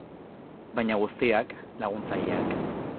Baina guztiak, laguntzaileak.